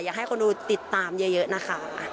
อยากให้คนดูติดตามเยอะนะคะ